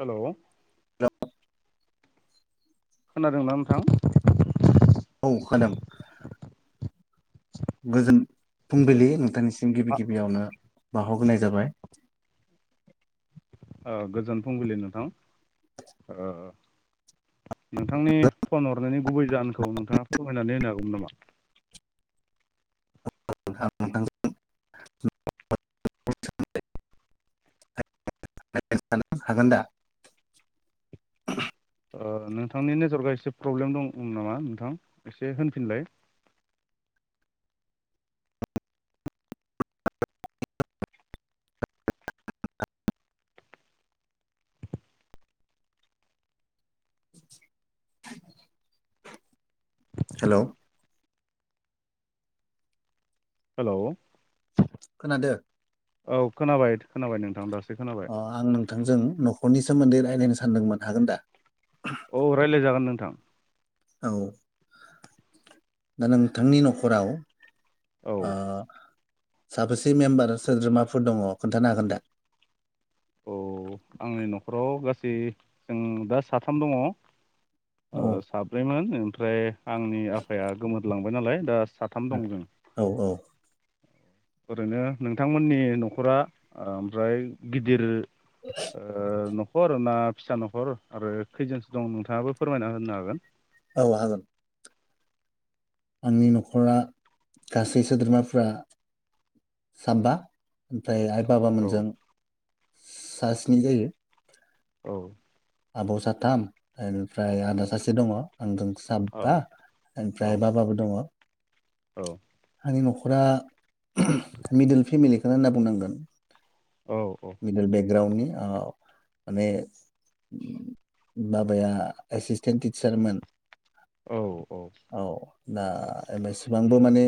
Hello खोनादों ना नोंथां? खोदों। गोजोन औ फुंबिलि नोंथांनिसिम गिबि गिबियावनो बाव हगनाय जाबाय। ओ गोजोन फुंबिलि नोंथां ओ नोंथांनि फन हरनायनि गुबै जाहोनखौ नोंथाङा फोरमायनानै होनो हागौमोन नामा? नोंथां [unintelligible] [unintelligible] हागोन दा [unintelligible] ओ नोंथांनि नेटर्वका एसे प्रब्लेम दं नामा नोंथां एसे होनफिनलाय। [unintelligible] हेल' हेल' खोनादो औ खोनाबाय खोनाबाय नोंथां दासो खोनाबाय। अ आं नोंथांजों न'खरनि सोमोन्दै रायज्लायनो सानदोंमोन हागोन दा? औ रायलायजागोन नोंथां। औ दा नोंथांनि न'खराव औ ओ साबासे मेम्बार सोद्रोमाफोर दङ खोन्थानो हागोन दा? औ आंनि न'खराव गासै जों दा साथाम दङ। औ साब्रैमोन नथ ओमफ्राय आंनि आफाया गोमोरलां नालाय दा साथाम आ दं जों औ औ ओरैनो नोंथांमोननि न'खरा ओमफ्राय गिद दिर ओ न'खर ना फिसा न'खर आरो खैजोनसो दं नोंथाङाबो फोरमायना होनो हागोन। औ हागोन आंनि न'खरा गासै सोद्रोमाफ साबबा फ्राय आइ औ बाबामोनजों सा स्नि जायो। औ। आब' साथाम ओनफ्राय आदा सासे दङ। आंजों औ साबा औ ओमफ्राय बाबाबो दङ। औ। आंनि न'खरा मिडल फेमिलिखौ होनना बुंनांगोन। औ औ मिडेल बेकग्राउननि ओ माने बाबाया एसिसटेन्ट टिचारमोन। औ औ। दा बेसेबांबो माने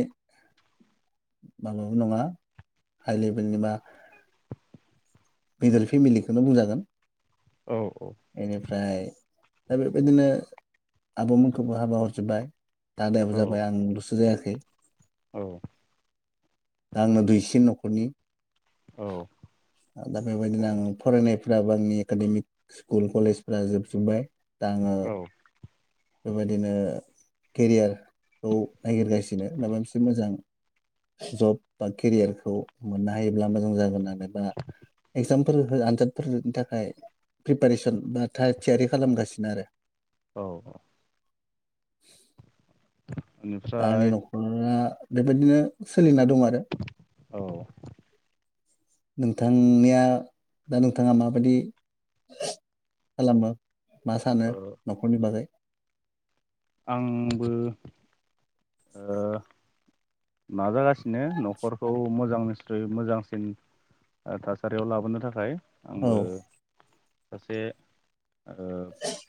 माबाबो नङा हाइ लेभेलनि बा मिदल फेमिलिखौनो बुंजागोन। औ एनिफ्राय दा बेबायदिनो आब'मोनखौबो हाबा हरजोब्बाय। दादायाबो जाबाय आंलुसो जायाखै। खै। औ। दा आंनो दुइसिन न'खरनि। औ। दा बेबायदिनो आं फरायनायफ्राबो आंनि एकाडेमिक स्कुल कलेजफ जोबजोब्बाय। दा आङो औ बेबायदिनो केरियारखौ नागिरगासिनो माबा मोनसे मोजां जब बा केरियारखौ मोननो हायोब्ला मोजां जागोन होननानै बा एगजामफोर आनजादफोरनि थाखाय प्रिपारेसन बा थाग थियारि खालामगासिनो आरो। औ। [inaudible] दा आंनि बेनिफ्राय न'खरा बेबायदिनो सोलिना दं आरो। औ नोंथांनिया दा नोंथाङा माबायदि खालामो मा सानो ओ न'खरनि बागै आंबो ओ मा जागासि नो न'खरखौ मोजां [unintelligible] मोजांसिन ओ थासारियाव लाबोनो थाखाय औ आंबो सासे ओ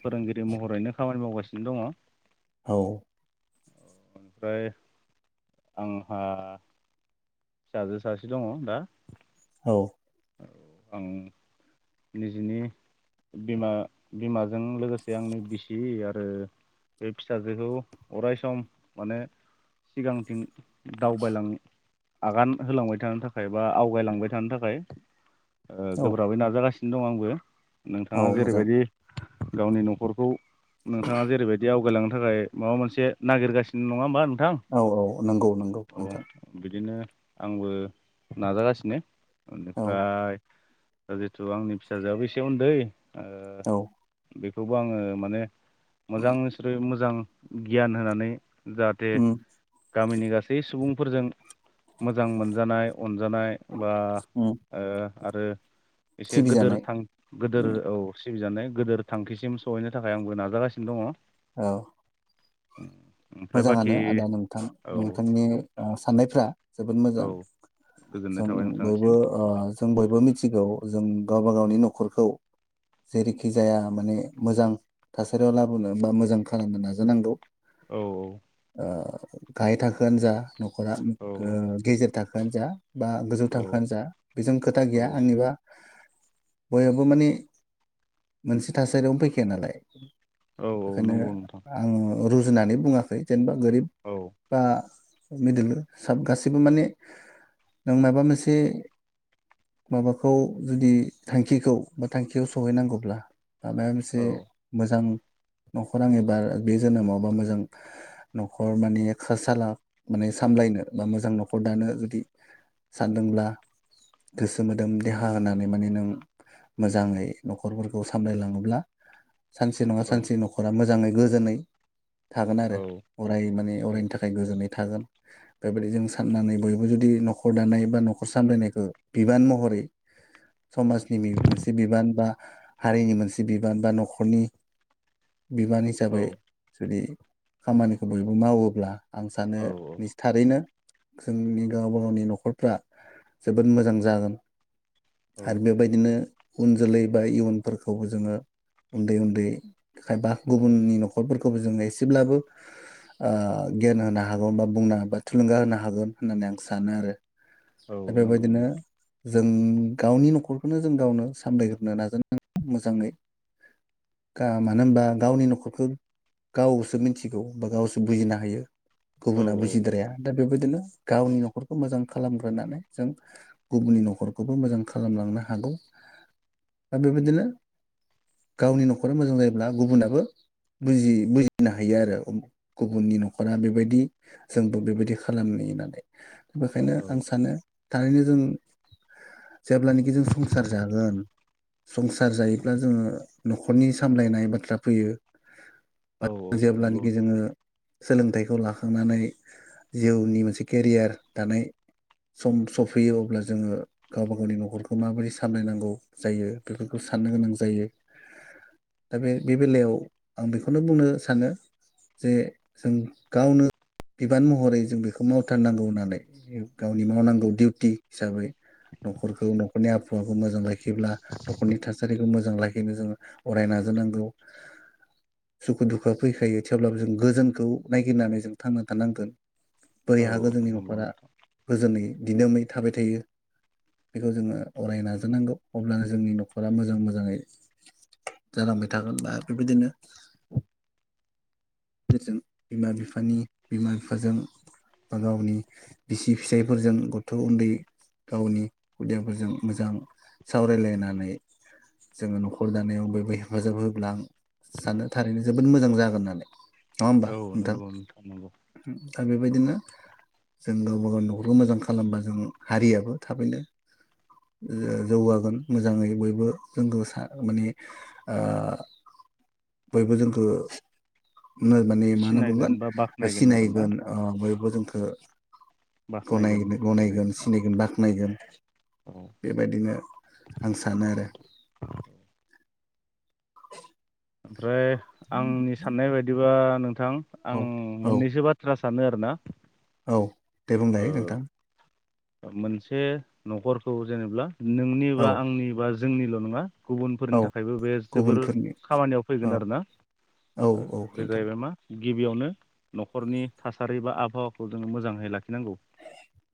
फोरोंगिरि महरैनो खामानि मावगासिनो दङ। औ। ओमफ्राय आंहा फिसाजो सासे दङ दा। औ। औ आं। निजिनि बिमा बिमाजों लोगोसे आंनि बिसि आरो बे फिसाजोखौ अराय सम माने सिगांथिं दावबायलां आगान होलांबाय थानो थाखाय बा आवगायलांबाय थानो थाखाय ओ औ गोब्राबै नाजागासिनो। दं आंबो। औ नोंथाङा मोजां जेरैबायदि गावनि न'खरखौ नोंथाङा जेरैबायदि आवगायलांनो थाखाय माबा मोनसे नागिरगासिनो नङा होमबा? नोंथां औ औ नंगौ नंगौ औ नोंथां। बिदिनो आंबो नाजागासिनो। औ ओनोफ्राय ओ जेथ' औ आंनि फिसाजोयाबो एसे उन्दै औ। थेवबो आङो माने मोजां नोंसोरो मोजां गियान होनानै जाहाथे उम गामिनि गासै सुबुं फोरजों मोजां मोनजानाय अनजानाय बा उम ओ आरो एसे गोदोर सिबिजानाय थां गोदोर उम औ सिबिजानाय गोदोर थांखिसिम सहैनो थाखाय आंबो नाजागासिनो दङ। औ। उम। मोजाङानो आदा नोंथां नोंथांनि ओ साननायफ्रा जोबोद औ मोजां गोजोननाय जों थाबाय नोंथांसिम बयबो ओ औ जों बयबो मिथि सिगाङाव जों गावबा गावनि न'खरखौ जेरैखि जाया माने मोजां थासारियाव लाबोनो बा मोजां खालामनो नाजानांगौ। औ। ओ गाहाय थाखोआनो जा न'खरा औ गो गेजेर थाख गानजा बा गोजौ औ थाखोआनो जा बेजों खोथा औ गैया आंनिबा बयहाबो माने मोनसे थासारियावनो फैखाया नालाय औ बेखायनो नंगौ नोंथां आङो रुजुनानै बुङा खै जेनबा गोरिब औ बा मिडिल साब गासैबो माने नों माबा मोनसे माबाखौ जुदि थांखिखौ बा थांखियाव सहैनांगौब्ला माबाया मोनसे औ मोजां न'खर आं एबार बे जोनोमावबा मोजां न'खर माने खसाला माने सामलायनो बा मोजां न'खर दानो जुदि सानदोंब्ला गोसो मोदोम देहा होनानै माने नों मोजाङै न'खरफोरखौ सामलायलाङोब्ला सानसे नङा औ सानसे नख'रा मोजाङै गोजोनै थागोन आरो औ अराय माने औ अरायनि थाखाय गोजोननाय थागोन। बेबायदि जों साननानै बयबो जुदि न'ख खौ दानाय बा न'खर सामलायनायखौ बिबान महरै समाजनि मि मोनसे बिबान बा हारिनि मोनसे बिबान बा न'खरनि बिबान औ हिसाबै जुदि खामानिखौ बयबो मावोब्ला आं सानो औ निसथारैनो जोंनि गावबा गावनि न'खरफ्रा जोबोद मोजां जागोन। औ आरो बेबायदिनो उन जोलै बा इयुनफोरखौबो जोङो उन्दै उन्दै खायबा गुबुननि न'खरफोरखौबो जोङो एसे सेब्लाबो ओ गियान होनो हागौ बा बुंनो बा थुलुंगा होनो हागोन होननानै आं सानो आरो। दा औ नंगौ बेबायदिनो नोंथां। जों गावनि न'खरखौनो जों गावनो सामलायग्रोनो नाजानांगोन मोजाङै गा मानो होनबा गावनि न'खरखौ गावस सो मिनथिगौ बा गावसो बुजिनो हायो। औ गुबुना बुजिद्राया दा बेबायदिनो गावनि न'खरखौ मोजां खालामग्रोनानै जों गुबुननि न'खरखौबो मोजां खालामलांनो हागौ दा बेबायदिनो गावनि न'खरा मोजां जायोब्ला गुबुनाबो बुजि बुजि नो हायो आरो गुबुननि न'खरा बेबायदि जोंबो बेबायदि खालामनि होननानै। बेखायनो औ आं सानो थारैनो जों जेब्लानोखि जों संसार जागोन संसार जायोब्ला जोङो न'खरनि सामलायनाय बाथ्रा फैयो। औ नंगौ जेब्लानोखि जोङो सोलोंथाइखौ लाखांनानै जिउनि मोनसे केरियार दानाय सम सफैयो अब्ला जोङो गावबा गावनि न'खरखौ माबोरै सामलायनांगौ जायो बेफोरखौ साननो गोनां जायो दा बे बे बेलायाव आं बेखौनो बुंनो सा सानो जे जों गावनो बिबान महरै जों बेखौ मावथारनांगौ होननानै गावनि मावनांगौ दिउटि हिसाबै। न'खरखौ नों नि आबहावाखौ मोजां लाय दिब्ला न'खरनि थासारि मोजां लाखिनो जोङो अराय नाजानांगौ सुखु दु खुवा फैखायो थेवब्लाबो जों गोजोनखौ नायगिरनानै जों थांना थानांगोन। बोरै औ हागो औ जोंनि नंगौ न'खरा‌। नोंथां गोजोनै दिदोमै थाबाय थायो बेखौ जोङो अराय नाजानांगौ अब्लानो जोंनि न'खरा मोजां मोजाङै जालांबाय थागोन बा बेबायदिनो फोरजों बिमा बिफानि बिमा बिफाजों बा गावनि बिसि फिसायफोरजों गथ' उन्दै गावनि खुदियाफोरजों मोजां सावरायलायनानै जोङो न'खर दानायाव बयबो हेफाजाब होब्ला सानो थारैनो जोब मोजां जागोन होननानै। नङा होमबा औ नोंथां? नंगौ नंगौ दा बेबायदिनो जों गावबा गाव न'खरखौ मोजां खालामबा जों हारियाबो थाबैनो ओ जौगागोन मोजाङै बयबो जोंखौ सा माने ओ बयबो जों खो मोनो माने मा होनना सिनायगोन बुंगोन बा ओ बाख्नायगोन आरोना सिनायगोन ओ बयबो जोंखो ओ बाख्नायगोन गनायनो ओरै गनायगोन सिनायगोन बाख्नायगोन औ बेबायदिनो आं सानो आरो। [inaudible] फ्राय आंनि साननाय बायदिब्ला थां आं औ औ मोननैसो बाथ्रा सों सानदों आरोना। औ दे ओ बुंलाय नोंथां। मोनसे न'खरखौ जेनेब्ला औ नोंनिबा आंनिबा जोंनिल' नङा। औ गुबुनफोरनि थाखायबो बे जोबोर गुबुनफोरनि खामानियाव औ फैगोन आरोना औ औ बे नोंथां जाहैबाय मा गिबियावनो न'खरनि थासारि बा आबहावाखौ जों मोजाङै ला नोंगौ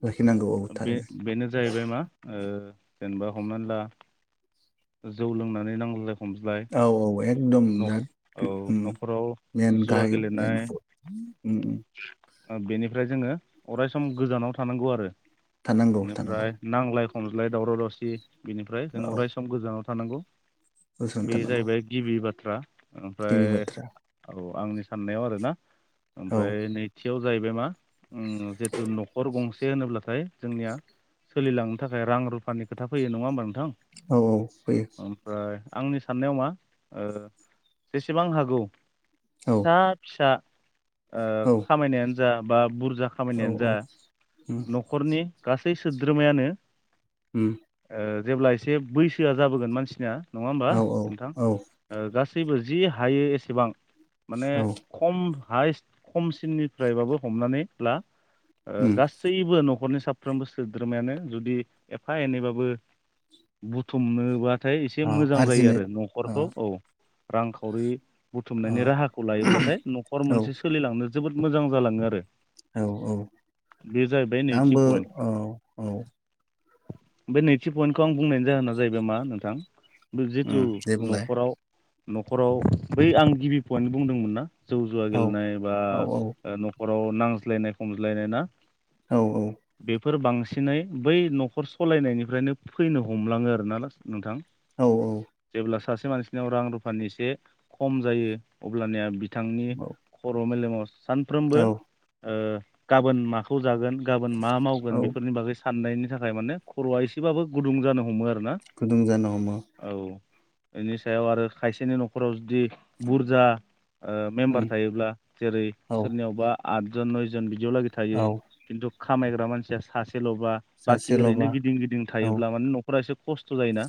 लाखिनांगौ औ बे थारैनो बेनो जाहैबाय मा जेनेबा हमनानै ला जौ लोंनानै नांलाय औ औ एकदम औ [unintelligible] न'खराव मेन जुवा [unintelligible] गेलेनाय बेनिफ्राय जोङो अराय सम गोजानाव थानांगौ आरो। थानांगौ बेनिफ्राय थानांगौ नांलाय खमज्लाय दावराव दावसि बिनिफ्राय जों औ अराय सम गोजानाव थानांगौ। बे जाहैबाय गिबि बा [inaudible] [unintelligible] दिनि बाथ्रा आंनि साननायाव आरोना। औ ओमफ्राय नैथियाव जाहैबाय मा जेथु नखर गंसे होनोब्ला नाथाय जोंनिया सोलिलांनो थाखाय रां रुफानि खोथा फैयो नङा होमबा नोंथां। औ औ फैयो। ओमफ्राय आंनि साननायाव मा ओ जेसेबां हागौ औ फिसा फिसा ओ औ खामायनायानो जा बा बुर औ औ। गासै सोद्रोमायानो उम ओ जेब्ला एसे बैसोआ जाबोगोन मानसिनिया नङा होमबा औ औ नोंथां? औ गासैबो जि हायो एसेबां माने औ खम हायस खमसिमनिफ्रायबाबो हमनानै ला ओ उम गासैबो न खरनि साफ्रोमबो सोद्रोमायानो जुदि एफा एनैबाबो बुथुमनो बा नाथाय एसे अ मोजां जायो आरजिनो आरो अ नखरखौ औ रांखावरि बुथुमनायनि अ राहाखौ लायोब्लाथाय नखर औ मोनसे सोलिलांनो जोबोद मोजां जालाङो आरो। औ औ बे‌ जाहैबाय दा नै आंबो औ औ। बे नैथि पइन्टखौ आं बुंनायनि जाहोना जाहैबाय मा नोंथां उम जिथु दे बुंलाय नखराव नखराव बै आं गिबि पइन्ट बुंदोंमोन ना? जौ जुवा औ गेलेनाय बा औ ओ नखर औ नांज्लायनाय खमज्लायनाय ना? औ। बेफोर बांसिनै बै नखर सलायनायनिफ्रायनो फैनो हमलाङो आरोना नोंथां औ औ जेब्ला सासे मानसिनियाव रां रुफानि एसे खम जायो अब्लानिया बि बिथांनि खर मेलेमाव थेब सानफ्रोमबो औ ओ गाबोन माखौ जागोन गाबोन मा मावगोन औ बेफोरनि बागै सा साननायनि थाखाय माने खरआ एसेबाबो गुदुं जानो हमो आरो गुदुं जानो हमो। बेनि सायाव आरो खायसेनि नखराव जुदि बुरजा ओ उम मेम्बार थायोब्ला जेरै औ सोरनियावबा आदजन नयजन बि यावलागै थायो औ तु खामायग्रा मानसिया सासे लबा बाखि सासेल'बा ओरैनो गिदिं - गिदिं औ थायोब्ला माने न खरा एसे खस्थ जायोना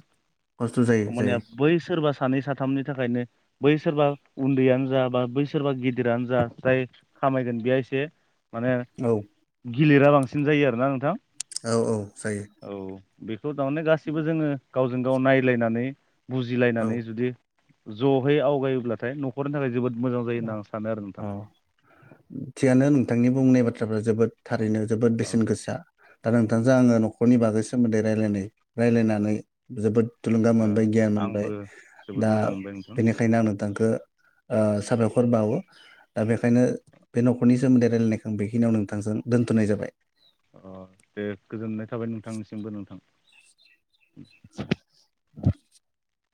खस्थ' जायो ओमबानिया जायो बैसरबा सानै साथामनि थाखायनो बै सोरबा उन्दैयानो जा बा बै सोरबा गिदिरानो जा जाय खामायगोन बेया एसे माने औ गिलिरा बांसिन जायो आरोना नोंथां औ - औ जायो बे थ दावनो गासिबो जोङो गावजों गाव नायलायनानै बुजिलायनानै औ जुदि जहै आवगायोब्लाथाय न'खरनि थाखाय जोबोद मोजां जायो होनना आं सानो आरो नोंथां औ थिगानो नोंथांनि बुंनाय बा थ्राबा जोबोद थारैनो जोबोद बेसेन औ गोसा दा नोंथांजों आङो न'खरनि बागै सोमोन्दै राय्लायनाय रायलायनानै जोबोद थुलुंगा ओ मोनबाय गियान मोनबाय आंबो जोबोद दा मोजां मोनबाय नोंथां बेनिखायनो आं नोंथांखो ओ साबायखर बावो दा बेखायनो बे न'खरनि सोमोन्दै रायलायनायखौ आं बेखिनियाव नोंथांजों दोन्थ'नाय जाबाय अ दे गोजोननाय थाबाय नोंथांनिसिमबो नोंथां उ